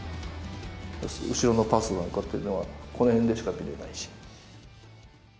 後ろのパスなんかっていうのはこの辺でしか見れないし。